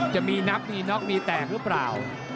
จะมีนับมีน็อกมีแตกหรือเปล่า